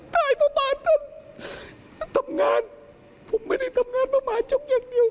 ทำงานผมไม่ได้ทำงานประมาณชกอย่างเดียว